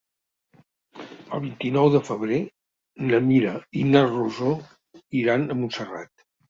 El vint-i-nou de febrer na Mira i na Rosó iran a Montserrat.